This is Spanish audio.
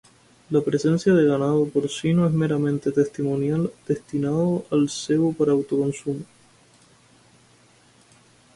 La presencia de ganado porcino es meramente testimonial, destinado al cebo para autoconsumo.